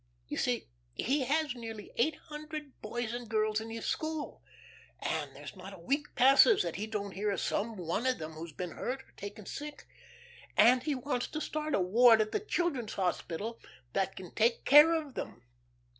You see he has nearly eight hundred boys and girls in his school, and there's not a week passes that he don't hear of some one of them who has been hurt or taken sick. And he wants to start a ward at the Children's Hospital, that can take care of them.